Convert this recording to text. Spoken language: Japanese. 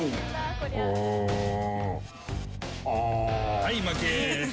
はい、負け。